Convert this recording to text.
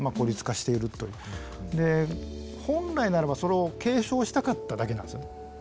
本来ならばそれを警鐘したかっただけなんですよね。